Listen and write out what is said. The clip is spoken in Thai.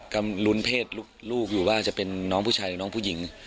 ก็ลุ้นเพศลูกอยู่ว่าจะเป็นน้องผู้ชายหรือน้องผู้หญิง